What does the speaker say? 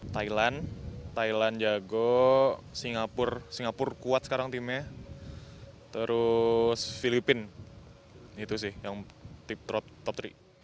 thailand thailand jago singapura singapura kuat sekarang timnya terus filipina itu sih yang tip top tiga